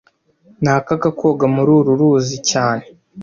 Ni akaga koga muri uru ruzi cyane